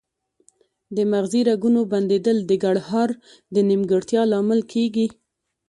د مغزي رګونو بندیدل د ګړهار د نیمګړتیا لامل کیږي